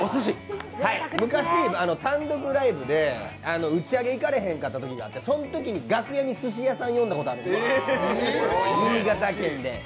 昔、単独ライブで打ち上げに行かれへんかったときがあって、そのときに楽屋にすし屋さん呼んだことがあって、新潟県で。